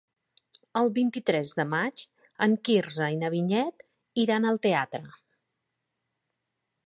El vint-i-tres de maig en Quirze i na Vinyet iran al teatre.